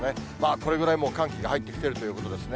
これぐらい、もう寒気が入ってきてるってことですね。